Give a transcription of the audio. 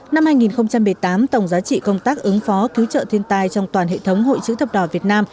năm hai nghìn một mươi tám tổng giá trị công tác ứng phó cứu trợ thiên tai trong toàn hệ thống hội chữ thập đỏ việt nam